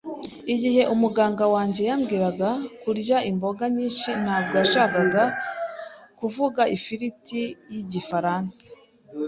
Igihe umuganga wanjye yambwiraga kurya imboga nyinshi, ntabwo yashakaga kuvuga ifiriti y Igifaransa.